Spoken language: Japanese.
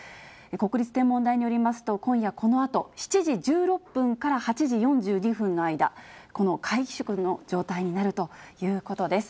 国立天文台によりますと、今夜このあと、７時１６分から８時４２分の間、この皆既食の状態になるということです。